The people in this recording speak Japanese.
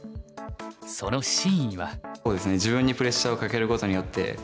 その真意は。